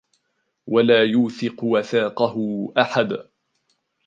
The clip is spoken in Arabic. وَلَا يُوثِقُ وَثَاقَهُ أَحَدٌ